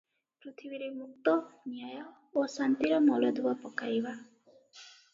ପୃଥିବୀରେ ମୁକ୍ତ, ନ୍ୟାୟ ଓ ଶାନ୍ତିର ମୂଳଦୁଆ ପକାଇବା ।